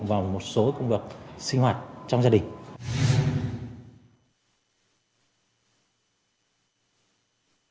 vào một số công việc sinh hoạt trong gia đình